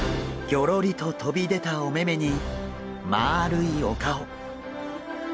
ぎょろりと飛び出たお目目にまあるいお顔。